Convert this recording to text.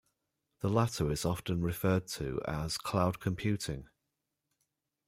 The latter is often referred to as cloud computing.